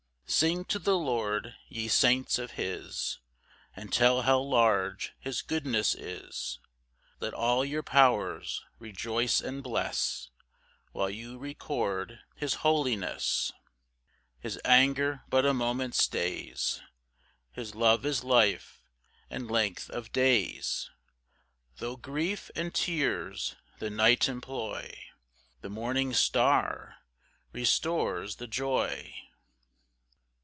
2 Sing to the Lord, ye saints of his, And tell how large his goodness is; Let all your powers rejoice and bless, While you record his holiness. 3 His anger but a moment stays His love is life and length of days; Tho' grief and tears the night employ, The morning star restores the joy.